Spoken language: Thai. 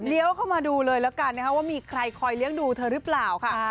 เข้ามาดูเลยแล้วกันนะคะว่ามีใครคอยเลี้ยงดูเธอหรือเปล่าค่ะ